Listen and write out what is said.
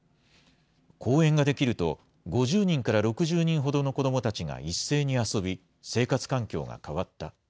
公園が出来ると、５０人から６０人ほどの子どもたちが一斉に遊び、生活環境が変わった。